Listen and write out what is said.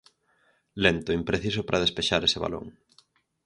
Lento, impreciso para despexar ese balón.